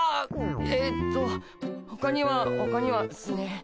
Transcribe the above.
えっとほかにはほかにはっすね